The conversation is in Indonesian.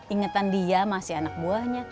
ingatan dia masih anak buahnya